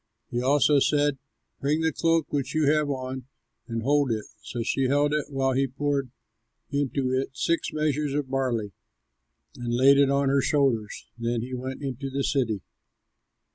He also said, "Bring the cloak which you have on and hold it." So she held it while he poured into it six measures of barley and laid it on her shoulders. Then he went into the city.